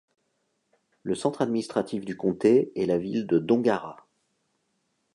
Le centre administratif du comté est la ville de Dongara.